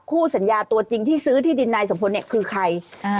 สัญญาตัวจริงที่ซื้อที่ดินนายสมพลเนี่ยคือใคร